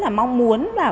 và mong muốn tham gia vào